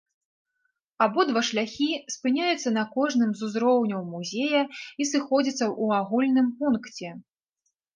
Абодва шляхі спыняюцца на кожным з узроўняў музея і сыходзяцца ў агульным пункце.